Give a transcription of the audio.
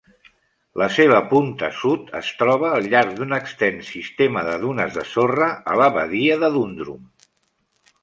La seva punta sud es troba al llarg d'un extens sistema de dunes de sorra a la badia de Dundrum.